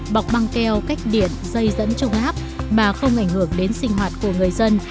bọc băng keo cách điện dây dẫn trong áp mà không ảnh hưởng đến sinh hoạt của người dân